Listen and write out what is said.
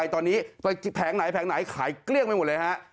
ตอนนี้ไปแผงไหนแผงไหนขายเกลี้ยงไปหมดเลยฮะ